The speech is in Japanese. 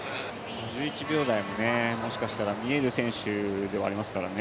５１秒台ももしかしたら見える選手ですからね。